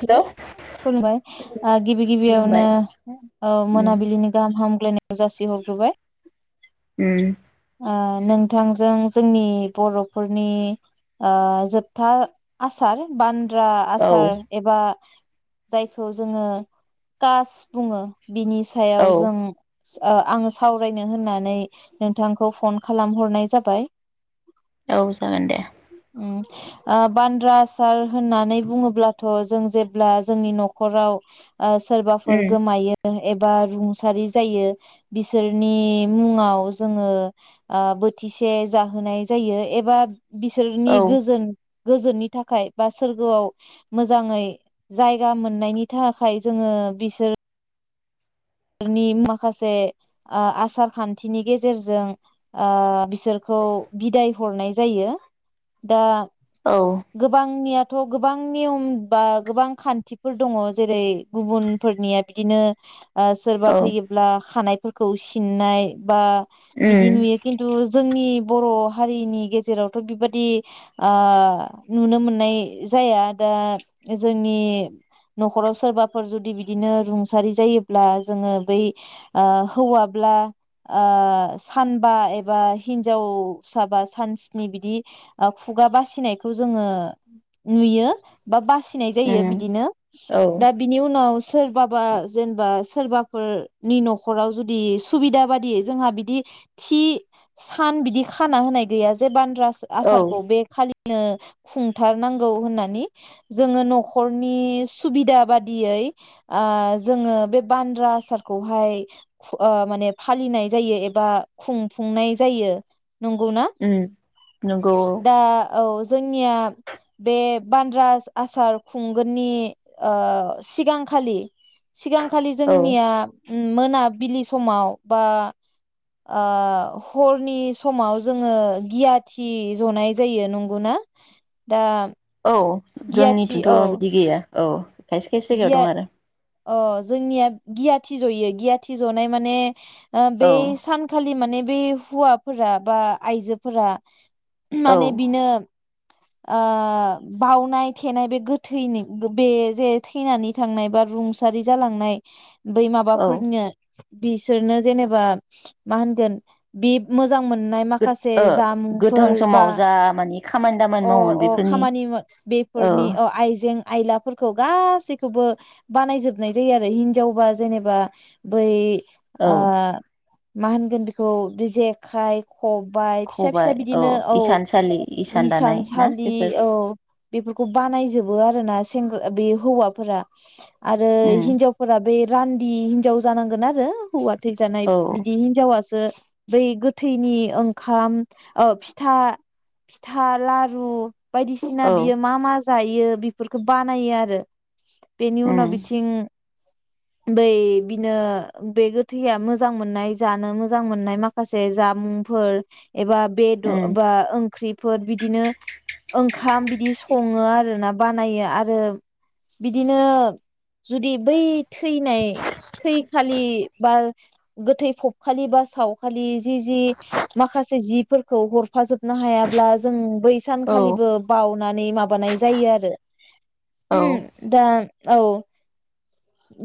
Hello खुलुमबाय ओ गिबि खुलुमबाय गिबियावनो ओ उम मोनाबिलिनि गाहाम हामग्लायनाय जासि हरग्रोबाय उम ओ नोंथांजों जोंनि बर'फोरनि ओ जोबथा आसार बान रा औ आसार एबा जायखौ जोङो कास बुङो। बिनि औ सायाव जों सा आङो सावरायनो होननानै नोंथांखौ फन खालामहरनाय जाबाय। औ जागोन दे। उम ओ बान्द्रा आसार होननानै बुङोब्लाथ जों जेब्ला जोंनि नखराव ओ सोरबाफोर उम गोमायो एबा रुंसारि जायो बिसोरनि मुङाव। जोङो ओ बोथिसे जाहोनाय जायो एबा बिसोरनि औ गोजोन गोजोननि थाखाय बा सोरगोआव मोजाङै जायगा मोननायनि थाखाय जोङो बिसोर नि माखासे ओ आसार खान्थिनि गेजेरजों ओ बिसोरखौ बिदाय हरनाय जायो। दा औ गोबांनिया थ गोबां नियम बा गोबां खान्थिफोर दङ जेरै गुबुनफोरनिया बिदिनो आ सोरबा औ थैयोब्ला खानाय फोरखौ सिननाय बा बिदि उम नुयो खिथु जो जोंनि बर' हारिनि गेजेरावथ बिबादि ओ नुनो मोननाय जाया दा जोंनि नखराव सोरबाफोर जुदि बिदिनो रुंसारि जायो ब्ला जोङो बै आ हौवाब्ला आ सानबा एबा हिनजावसाबा सानस्नि बिदि खुगा बासिनायखौ जोङो नुयो बा बासि नाय जायो उम बिदिनो औ दा बिनि उनाव सोरबाबा जेनेबा सोरबाफोरनि नखराव जुदि सुबिदा बादियै जोंहा बिदि थि सान बिदि खाना होनाय गैया जे बान [unintelligible] औ आसारखौ बे खालि [unintelligible] खुंथारनांगौ होननानै जोङो नखरनि सुबिदा बादियै ओ जोङो बे बान्द्रा आसारखौहाय ओ माने फालिनाय जायो एबा खुंफुंनाय जायो। नंगौ ना? उम नंगौ दा औ औ जोंनिया बे बान्द्रा आ-आसार खुंगोननि ओ सिगांखालि खालि औ जोंनिया उम मोनाबिलि समाव बा ओ हरनि समाव जोङो गियाथि जनाय जायो नंगौना दा औ गियाथि जोंनिथिंथ औ बिदि गैया। औ। खायसे खायसे जायगायाव दं आरो। औ जोंनिया गियाथि जयो गियाथि जनाय माने ओ बे औ सानखालि माने बे हुवाफोरा बा आयजोफोरा औ माने बिनो ओ बावनाय थेनाय बे गोथैनि बे जे थैनानै थांनाय बा रुंसारि जालांनाय बै औ माबाफोरनो बिसोरनो जेनेबा मा होनगोन बे मोजां मोजां मोननाय गोद माखासे ओ गोथां जामुंफोर बा समाव जा मानि खामानि दामानि अ मावोमोन अ बेफोरनि खामानि औ बेफोरनि अ आइजें आइलाफोरखौ गासैखौबो बानायजोबनाय जायो आरो हिनजावबा जेनेबा बै औ ओ। मा होनगोन बेखौ बे जेखाय खबाय फिसा फिसा खबाय बिदिनो औ इसानसालि । इसान दानाय ना इसानसालि बेफोर औ बेफोरखौ बानायजोबो आरोना। सेंग्रा बे हौवाफोरा । आरो उम हिनजावफोरा बे रान्दि हिन्जाव जानांगोन आरो हौवा थैजानाय औ बिदि हिनजावासो बै गोथैनि ओंखाम ओ फिथा फिथा लारु बायदिसिना औ बियो मा मा जायो बेफोरखौ बानायो आरो । बेनि उम उनाव बिथिं बै बिनो बे गोथैया मोजां मोननाय जानो मोजां मोननाय माखासे जामुंफोर एबा बे उम [inaudible] बा ओंख्रिफोर बिदिनो ओंखाम बिदि सङो आरोना । बानायो आरो बिदिनो जुदि बै थैनाय थैखालि बा गोथै फबखालि बा सावखालि जि जि माखासे जि फोरखौ हरफाजोबनां ब्ला जों बै औ सानखालिबो बावउनानै माबानाय जायो आरो औ दा औ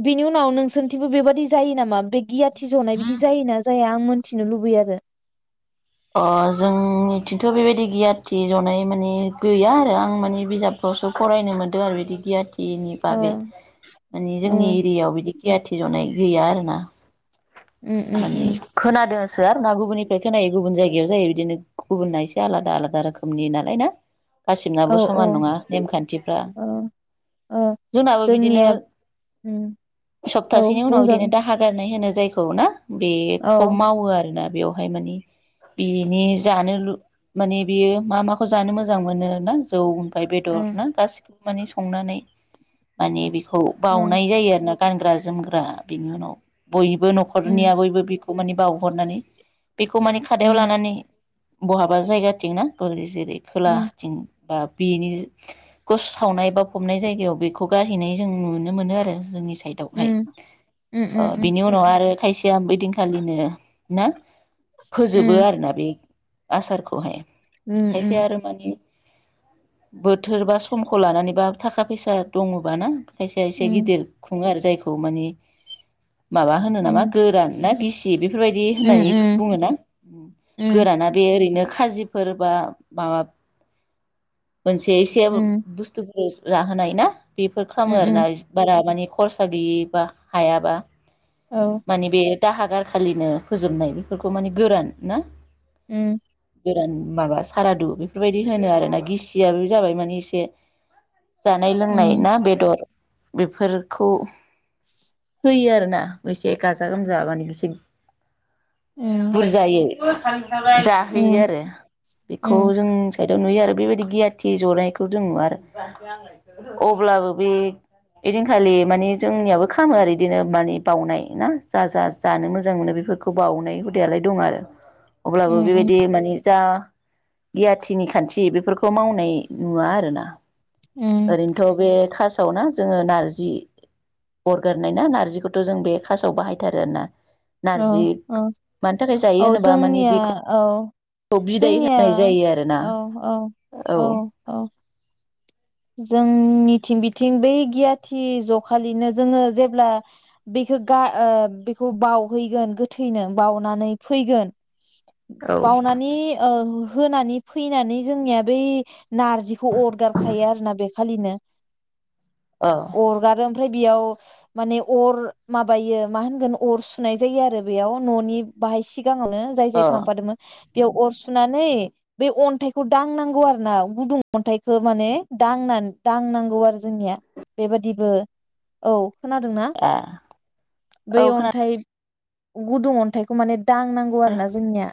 बिनि उनाव नोंसोरनिथिंबो बेबादि जायो नामा? बे गियाथि जनाय बिदि जायोना जाया आं मोनथिनो लुबैयो आरो। अ जोंनिथिंथ बेबायदि गियाथि जनाय माने गैया आरो आं माने बिजाबफ्रावसो फरायनो मोन्दों आरो बिदि गियाथि नि ओ बागै माने ओ जोंनि एरियायाव बिदि गियाथि जनाय गैया आरो ना। उम उम माने उम खोनादों [inaudible] गुबुननिफ्राय खोनायो गुबुन जायगायाव जायो बिदिनो गुबुनना एसे आलादा आलादा रोखोमनि नालाय ना औ गासिबनाबो औ समान नङा नेमखान्थिफ्रा औ ओ जोंनाबो बिदिनो जोंनिया उम औ सप्तासेनि उनाव बिदिनो बुंजागोन दाहा गारनाय होनो जायखौ ना? औ बेखौ मावो आरोना बेयावहाय मानि बिनि जानो लु माने बियो मा माखौ जानो मोजां मोनो ना जौ बेदर उम ना गासिखौबो माने संनानै माने बे औ उम बावउनाय जायो आरो ना गानग्रा जोमग्रा बिनि उनाव बय बो उम नखर'निया बयबो बि माने बावहरनानै बे खौ माने खादायाव उम लानानै बहाबा जायगा थिं ना जेरै उम खोलाथिं बा बेनि गस सावनाय बा फबनाय जायगायाव बेखौ गारहैनाय जों नुनो मोनो आरो जोंनि साइदावहाय उम उम ओ उम बेनि उनाव आरो खायसेया बै दिनखालिनो ना? फोजोबो उम आरोना बे । आसारखहाय। उम खायसे आरो मानि बोथोर बा समखौ लानानैबा थाखा फैसा दङबा ना। खायसे खायसे उम गिदिर खुङो आरो जाय औ माने माबा होनो उम नामा उम गोरान ना गिसि बेफोरबायदि उम होननानै बुङोना उम उम गोराना बे ओरैनो खाजिफोर बा माबा मोनसे एसे उम बुस्थुफोर औ जाहोनाय ना बेफोर खामो उम आरोना उम इस बारा माने खरसा गैयि बा हायाबा औ माने बे दाहा गारखालिनो फोजोबनायनि फोरखौ माने गोरान ना ओम गोरान माबा सारादु बेफोरबायदि होनो आरो ना गिसिया बे जाबाय माने एसे जानाय लोंनाय उम ना बेदर बेफोरखौ होयो आरोना एसे गाजा गोमजा माने एसे उम बुरजायै उम जाहोयो आरो बेखौ उम जों साइदआव नुयो आरो बेबायदि गियाथि ज'नायखौ जों नुवा आरो अब्लाबो बे ओइदिनखालि माने जोंनियाबो खामो आरो इदिनो माने बाउनाय ना जा जा जानो मोजां मोनो बेफोरखौ बावउनाय हु हुदायालाय दं आरो। अब्लाबो उम बेबायदि माने जा गियाथिनि खान्थि बेफोरखौ मावनाय नुवा आरो ना। उम ओरैनोथ बे खास सावना जोङो नारजि अरगारनाय ना नारजिखौथ जों बे खासाव बाहायथारो आरो ना। औ ओ औ होनोबा माने जोंनिया बेखौ औ बिदाय जोंनिया होनाय जायो आरोना औ औ औ औ जोंनिथिं बिथिं बै गियाथि ज'खालिनो जोङो जेब्ला बेखौ गा ओ बेखौ बावहैगोन गोथैनो बावनानै फैगोन औ बाउनानै ओ होनानै फैनानै जोंनिया बै नारजिखौ अरगारखा खायो आरोना बेखालिनो औ अरगारो ओम ओमफ्राय बेयाव माने अर माबायो मा होनगोन अर सुनाय जायो आरो बेयाव न'नि बाहाय सिग सिगाङावनो जाय जाय औ थांफादोमोन बेयाव अर सुनानै बे अन्थाइखौ दांनांगौ आरो ना गुदुं अन्थाइखो माने दांना-दांनांगौ आरो जोंनिया बेबादिबो औ खोनादोंना? ए बै औ खोनादों अन्थाइ गुदुं अन्थाइखौ माने दांनांगौ आरो ना जोंनिया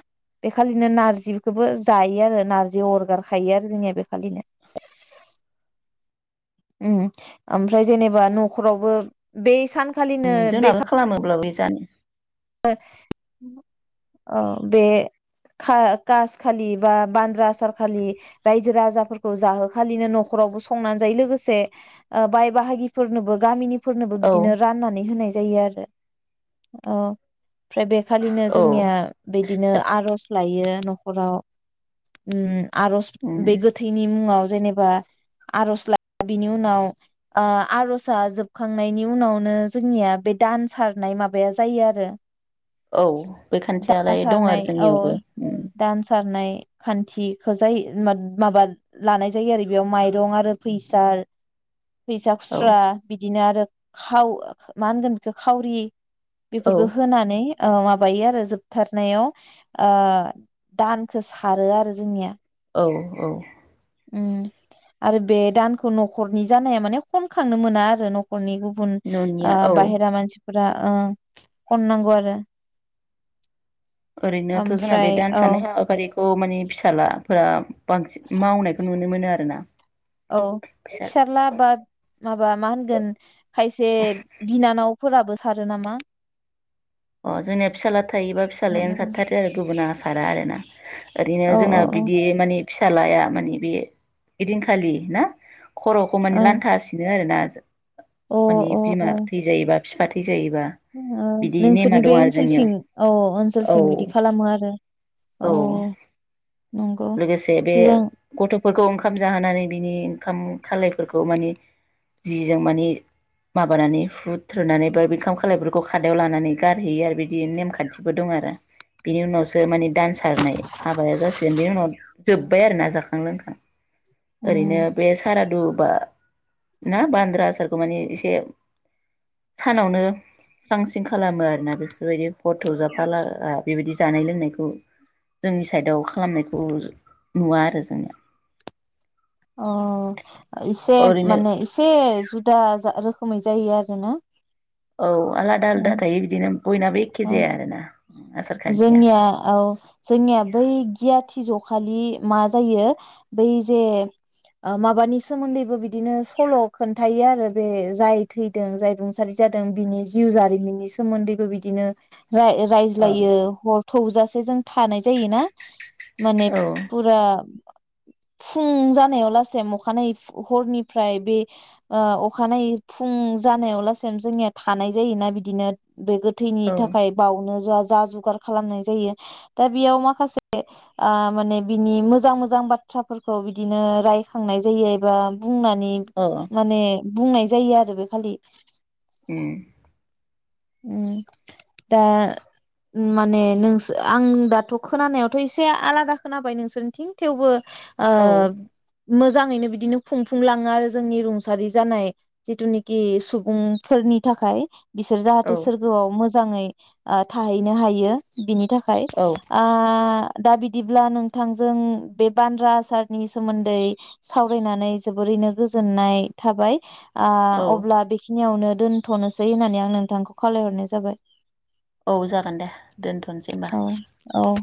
बेखालिनो नारजिखौबो जायो आरो नारजि अरगार खायो आरो जोंनिया बेखालिनो। ओम ओमफ्राय जेनेबा नखरावबो बे सान उम जोंनाबो खालामोब्लाबो जानो ओ बे का-कास खालि बा बान्द्रा आसार खालि रायजो राजाफोरखौ जाहोखालिनो नखरावबो संनानै जायो लोगोसे बाय बाहागिफोरनोबो गामिनि फोरनोबो औ बिदिनो राननानै होनाय जायो आरो अ फ्राय बेखालिनो औ जोंनिया बिदिनो आरज लायो। नखराव आरज बे उम गोथैनि मुंङाव जेनेबा आरज ला बिनि उनाव ओ आरजआ जोबखांनायनि उनावनो जोंनिया बे दान सारनाय माबाया जायो आरो। औ बे दान खान्थियालाय दं सारनाय आरो जोंनियावबो ओम खान्थिखौ जाय माबाद लानाय जायो आरो बेयाव माइरं आरो फैसार फैसा औ खुस्रा बिदिनो आरो खाव ओ मा होनगोन बेखौ खावरि। औ यै ओ माबायो आरो जोबथारनायाव ओ दानखो सारो आरो जोंनिया। औ औ उम आरो बे दानखौ नखरनि जानाया माने खनखांनो मोना आरो नखरनि बुन न'निया ओ औ बाहेरा मानसि फोरा ओ खननांगौ आरो। ओरैनोथ जोंना बे ओमफ्राय दान्स औ सारनाय हाबाफारिखौ खौ माने फिसालाफोरा बांसिन मावनायखौ नुनो मोन नो मोनो आरो ना। औ फिसारला बाद माबा मा होनगोन खायसे बिनानाव फोराबो सारो नामा? अ जोंनिया फिसाला थायोबा फिसालायानो बिनानाव सारथारो आरो गुबुना आस सारा आरो ना। ओरैनो औ जोंना औ औ बिदि माने फिसालाया माने बे इदिनखालि ना? खर'खौ माने ओ लान्था सिनो आरोना सो मानि बिमा थैजायोबा फिफा थैस जोंयो नोंसोरनि बे आरो जोंनियाव ओनसोलथिं औ औ ओनसोलथिं बिदि खालामो आरो औ नंगौ लोगोसे बे जों गथ'फ फोरखौ ओंखाम जाहोनानै बिनि ओंखाम खालायफोरखौ मानि जिजों मानि माबानानै हुथ्रोदनानै बा ओंखाम खालायफोरखौ खादायाव लानानै गारहैयो आरो बिदि नेमखान्थिबो दं आरो बिनि उनावसो मानि दान सारनाय हाबाया जास जोब्बाय आरोना जाखां लोंखां ओरैनो उम बे सारादु बा ना बान्द्रा आसारखौ माने एसे सानावनो स्रां स्रिं खालामो आरोना बे बेबायदि फट जाफाला आ बेबायदि जानाय लोंनायखौ जोंनि साइडआव खालामनायखौ नुवा आरो जोंनिया अ एसे ओरैनो माने एसे जुदा जा रोखोमै जायो आरो योना औ आलादा आलादा थायो बिदिनो बयनाबो एखे औ जाया आरोना आसार खान्थिया जोंनिया औ जोंनिया बै गियाथि ज खालि मा जायो बै जे ओ माबानि सोमोन्दैबो बिदिनो सल खोन्थायो आरो बे जाय थैदों जाय रुंसारि जादों बिनि जिउ जारिमिननि सोमोन्दैबो बिदिनो राय राय औ ज्लायो ह थौजासे जों थानाय जायोना माने औ फुरा फुं जानायाव लासेम अखानायै हरनिफ्राय बे ओ अखानायै फुं जानायाव लासिम जोंनिया थानाय जायोना बिदिनो बे औ गोथैनि थाखाय बावनो जा जा जगार खालामनाय जायो दा बेयाव माखासे ओ माने बिनि मोजां मोजां बाथ्राफोरखौ बिदिनो रायखांनाय जायो एबा बुंनानै औ माने बुंनाय जायो आरो बे खालि होम ओम दा माने नोंस आं दाथ खोनानायावथ एसे आलादा खोनाबाय नोंसोरनिथिं थेवबो औ ओब मोजाङैनो बिदिनो खुंफुंलाङो आरो जोंनि रुंसारि जानाय जिथुनिखि सुबुंफोरनि थाखाय बिसोर जा थो औ सोरगोआव मोज जाङै थाहैनो हायो बिनि थाख खाय औ आ दा बिदिब्ला नोंथांजों बे बान्द्रा आसारनि सोमोन्दै सावरायनानै जोबोरैनो गोजोननाय थाबाय। आ औ अब्ला बेखिनियावनो दोनथनोसै होननानै आं नोंथांखौ खावलायहरनाय जाबाय। औ जागोन दे दोनथनोसै होमबा। औ औ